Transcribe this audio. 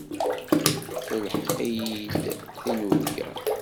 Telḥeq-iyi-d tinubga.